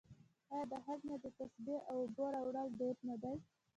آیا د حج نه د تسبیح او اوبو راوړل دود نه دی؟